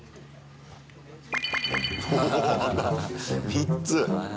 ３つ。